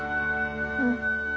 うん。